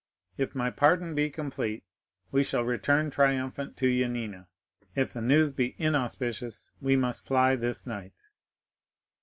If my pardon be complete, we shall return triumphant to Yanina; if the news be inauspicious, we must fly this night.